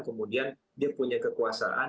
kemudian dia punya kekuasaan